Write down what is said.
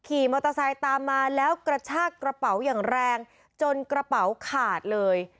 ขี่มอเตอร์ไซค์ตามมาแล้วกระชากระเป๋าอย่างแรงจนกระเป๋าขาดเลย